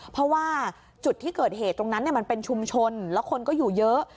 เพราะว่าจุดที่เกิดเหตุตรงนั้นมันเป็นชุมชนแล้วคนก็อยู่เยอะ